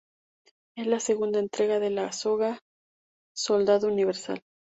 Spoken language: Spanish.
Es la segunda entrega de la saga Soldado Universal.